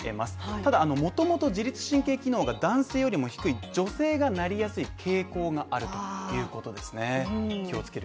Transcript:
ただもともと自律神経機能が男性よりも低い女性がなりやすい傾向があるということですね。